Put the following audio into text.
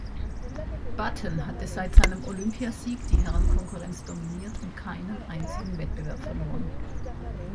Button hatte seit seinem Olympiasieg die Herrenkonkurrenz dominiert und keinen einzigen Wettbewerb verloren.